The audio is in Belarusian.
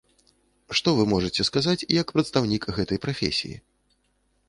Што вы можаце сказаць як прадстаўнік гэтай прафесіі?